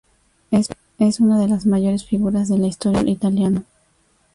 Es una de las mayores figuras de la historia del fútbol italiano.